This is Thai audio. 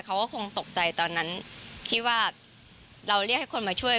เขาก็คงตกใจตอนนั้นที่ว่าเราเรียกให้คนมาช่วย